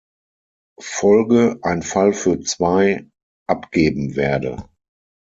Folge "Ein Fall für zwei" abgeben werde.